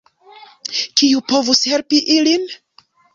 Kiu povus helpi ilin?